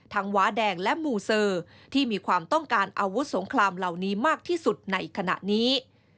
ว้าแดงและมูเซอร์ที่มีความต้องการอาวุธสงครามเหล่านี้มากที่สุดในขณะนี้